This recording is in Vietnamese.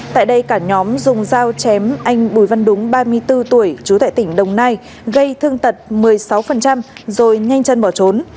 tại đây cả nhóm dùng dao chém anh bùi văn đúng ba mươi bốn tuổi chú tại tỉnh đồng nai gây thương tật một mươi sáu rồi nhanh chân bỏ trốn